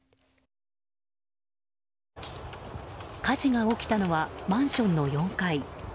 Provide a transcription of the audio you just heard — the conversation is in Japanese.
火事が起きたのはマンションの４階。